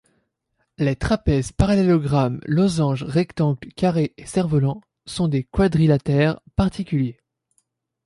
Les trapèzes, parallélogrammes, losanges, rectangles, carrés et cerfs-volants sont des quadrilatères particuliers.